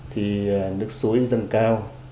thì nước suối dâng cao